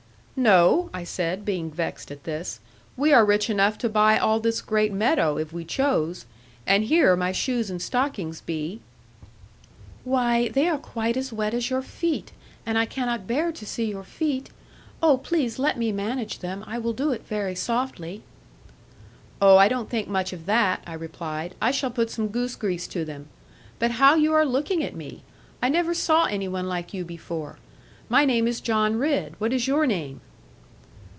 'No,' I said, being vexed at this; 'we are rich enough to buy all this great meadow, if we chose; and here my shoes and stockings be.' 'Why, they are quite as wet as your feet; and I cannot bear to see your feet. Oh, please to let me manage them; I will do it very softly.' 'Oh, I don't think much of that,' I replied; 'I shall put some goose grease to them. But how you are looking at me! I never saw any one like you before. My name is John Ridd. What is your name?'